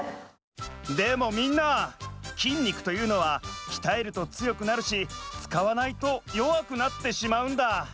でもみんな筋肉というのはきたえるとつよくなるしつかわないとよわくなってしまうんだ。